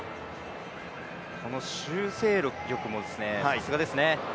この修正力もさすがですね。